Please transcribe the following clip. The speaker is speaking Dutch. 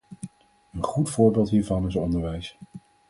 Een goed voorbeeld hiervan is onderwijs.